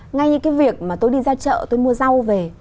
ngay như cái việc mà tôi đi ra chợ tôi mua rau về